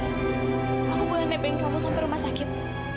aku boleh nebeng kamu sampai rumah sakit